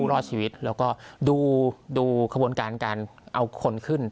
รอดชีวิตแล้วก็ดูขบวนการการเอาคนขึ้น